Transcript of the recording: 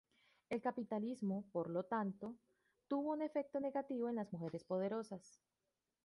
El capitalismo, por lo tanto, tuvo un efecto negativo en las mujeres poderosas.